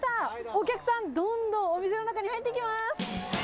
お客さん、どんどんお店の中に入っていきます。